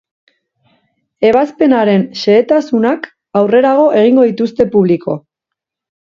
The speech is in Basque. Ebazpenaren xehetasunak aurrerago egingo dituzte publiko.